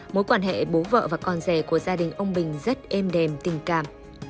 mối quan hệ bố vợ và con rể của gia đình ông bình rất êm đềm tình cảm